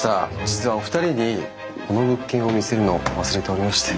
実はお二人にこの物件を見せるのを忘れておりまして。